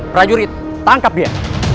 prajurit tangkap dia